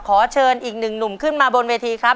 ขอเชิญอีกหนึ่งหนุ่มขึ้นมาบนเวทีครับ